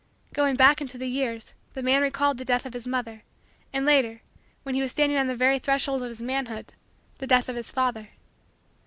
Going back into the years, the man recalled the death of his mother; and, later, when he was standing on the very threshold of his manhood, the death of his father.